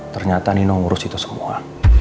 ternyata nino ngurus itu semua